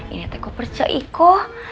ini teko percaya iko